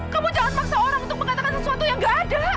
kamu jangan maksa orang untuk mengatakan sesuatu yang gak ada